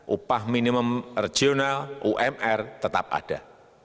upah minimum regional umr tetap ada